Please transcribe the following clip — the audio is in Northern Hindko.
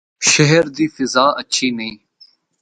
شہر دی فضا اچھی نیں۔